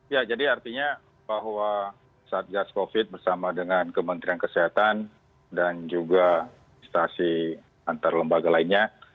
ya jadi artinya bahwa satgas covid bersama dengan kementerian kesehatan dan juga instasi antar lembaga lainnya